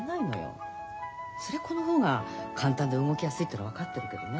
そりゃこの方が簡単で動きやすいっての分かってるけどね